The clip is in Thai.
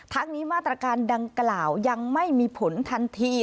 ทั้งนี้มาตรการดังกล่าวยังไม่มีผลทันที